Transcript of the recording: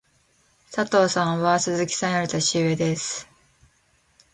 佐藤さんは鈴木さんより年上です。